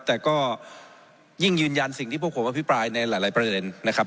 แต่ก็ยิ่งยืนยันสิ่งที่พวกผมอภิปรายในหลายประเด็นนะครับ